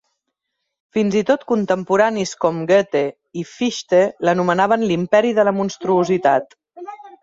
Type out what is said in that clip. Fins i tot contemporanis com Goethe i Fichte l'anomenaven l'imperi de la monstruositat.